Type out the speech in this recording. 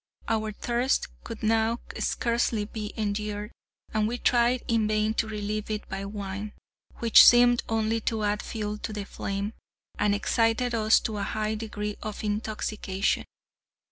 Our thirst could now scarcely be endured, and we tried in vain to relieve it by wine, which seemed only to add fuel to the flame, and excited us to a high degree of intoxication.